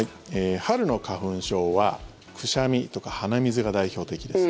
春の花粉症はくしゃみとか鼻水が代表的です。